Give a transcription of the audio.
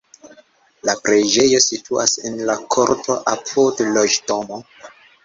La preĝejo situas en korto apud loĝdomo.